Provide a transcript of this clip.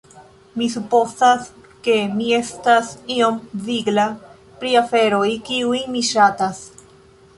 "... mi supozas ke mi estas iom vigla pri aferoj, kiujn mi ŝatas."